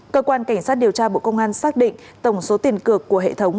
cơ quan cảnh sát điều tra bộ công an xác định tổng số tiền cược của hệ thống